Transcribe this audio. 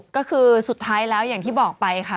ก็คือสุดท้ายแล้วอย่างที่บอกไปค่ะ